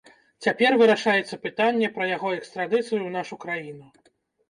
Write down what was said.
Цяпер вырашаецца пытанне пра яго экстрадыцыю ў нашу краіну.